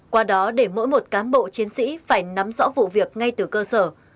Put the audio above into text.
qua đó để mỗi một cán bộ chiến sĩ phải nắm rõ vụ việc ngay từ cơ sở